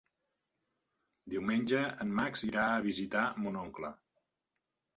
Diumenge en Max irà a visitar mon oncle.